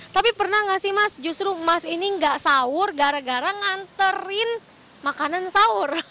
tapi pernah gak sih mas justru mas ini gak sahur gara gara nganterin makanan sahur